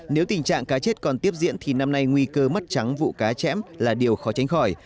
nếu tình trạng cá chết còn tiếp diễn thì năm nay nguy cơ mất trắng vụ cá chém là điều khó tránh khỏi